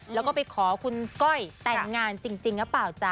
แล้วก็ไปขอคุณก้อยแต่งงานจริงหรือเปล่าจ๊ะ